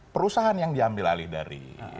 perusahaan yang diambil alih dari